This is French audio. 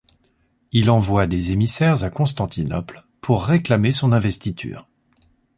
Il envoie des émissaires à Constantinople pour réclamer son investiture.